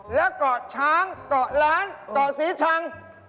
แล้วกล่าวช้างกล่าวหลานกล่าวสีชัง